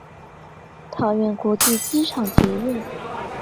桃園國際機場捷運